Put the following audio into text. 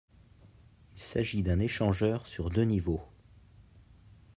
Il s'agit d'un échangeur sur deux niveaux.